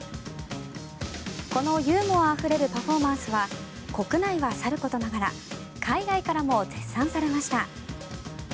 このユーモアあふれるパフォーマンスは国内はさることながら海外からも絶賛されました。